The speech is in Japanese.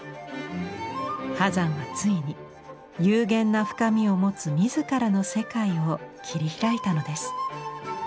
波山はついに幽玄な深みを持つ自らの世界を切り開いたのです。